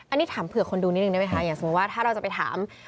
อันนี้ถามเผื่อคนดูนิดนึงได้ไหมคะอย่างสมมุติว่าถ้าเราจะไปถาม